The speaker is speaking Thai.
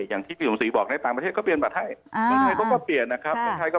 อย่างที่พี่สุมศรีบอกในต่างประเทศก็เปลี่ยนบัตรให้